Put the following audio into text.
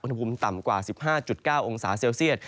อุณหภูมิต่ำกว่า๑๕๙องศาเซลเซียต